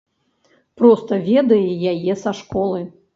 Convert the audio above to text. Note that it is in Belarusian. Проста ведае яе са школы.